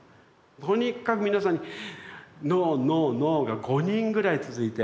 とにかく皆さんに「ノーノーノー！」が５人ぐらい続いて。